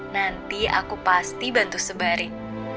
nanti aku pasti bantu sebari